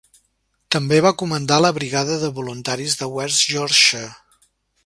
També va comandar la Brigada de Voluntaris de West-Yorkshire.